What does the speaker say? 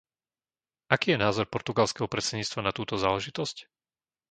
Aký je názor portugalského predsedníctva na túto záležitosť?